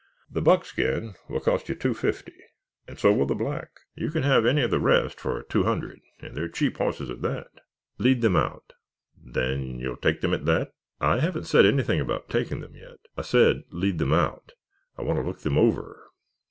The buckskin will cost you two fifty and so will the black. You can have any of the rest for two hundred and they're cheap hosses at that." "Lead them out." "Then you'll take them at that?" "I haven't said anything about taking them, yet. I said lead them out. I want to look them over."